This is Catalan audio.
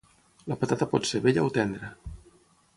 La patata pot ser vella o tendra